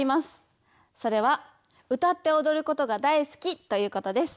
それは歌っておどることが大好きということです。